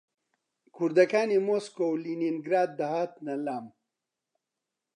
کوردەکانی مۆسکۆ و لینینگراد دەهاتنە لام